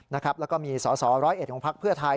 แล้วก็มีสอสอร้อยเอ็ดของพักเพื่อไทย